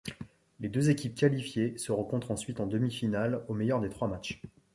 Les deux équipes qualifiées se rencontrent ensuite en demi-finale au meilleur des trois matchs.